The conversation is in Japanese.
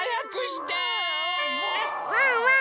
ワンワン